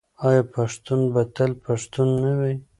آیا پښتون به تل پښتون نه وي؟